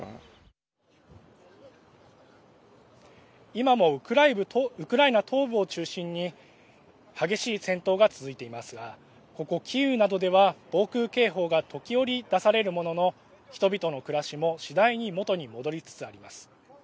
今もウクライナ東部を中心に激しい戦闘が続いていますがここ、キーウなどでは防空警報が時折、出されるものの人々の暮らしも次第に、元に戻りつつあります。